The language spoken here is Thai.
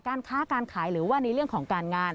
ค้าการขายหรือว่าในเรื่องของการงาน